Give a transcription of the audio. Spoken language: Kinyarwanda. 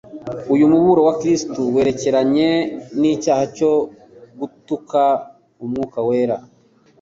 Uyu muburo wa Kristo werekeranye n'icyaha cyo gutuka Umwuka wera,